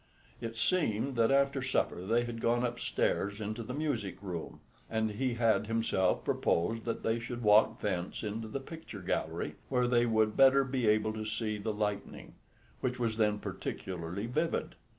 It seemed that after supper they had gone upstairs into the music room, and he had himself proposed that they should walk thence into the picture gallery, where they would better he able to see the lightning, which was then particularly vivid.